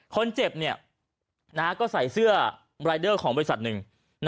คนเจ็บก็ใส่เสื้อรายเดอร์ของบริษัทหนึ่ง